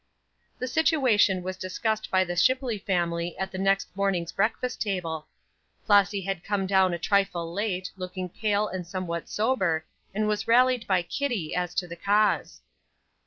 The situation was discussed by the Shipley family at the next morning's breakfast table. Flossy had come down a trifle late, looking pale and somewhat sober, and was rallied by Kitty as to the cause.